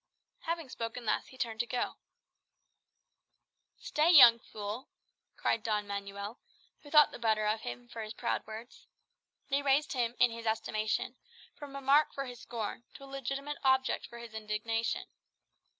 Having spoken thus, he turned to go. "Stay, young fool!" cried Don Manuel, who thought the better of him for his proud words. They raised him, in his estimation, from a mark for his scorn to a legitimate object for his indignation.